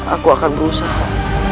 aku akan berusaha